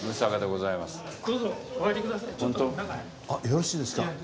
よろしいですか？